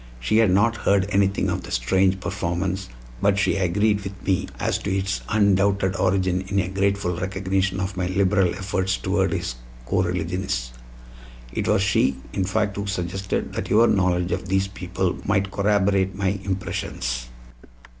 She had not heard anything of the strange performance, but she agreed with me as to its undoubted origin in a grateful recognition of my liberal efforts toward his coreligionists. It was she, in fact, who suggested that your knowledge of these people might corroborate my impressions."